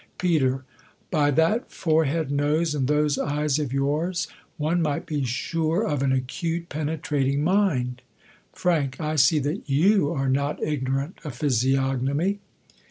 Pet, By that foreheadj nose, and those eyes oi yours, one might be sure of an acute, penetrating mind. Fr, I see thdit you are not ignorant of physiog nomy.